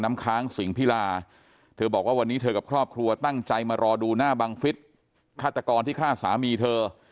ค้างสิงพิลาเธอบอกว่าวันนี้เธอกับครอบครัวตั้งใจมารอดูหน้าบังฟิศฆาตกรที่ฆ่าสามีเธอ